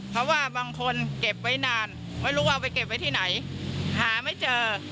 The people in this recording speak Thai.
เพราะว่าบางคนเก็บไว้นานไม่รู้ว่าเอาไปเก็บไว้ที่ไหนหาไม่เจอ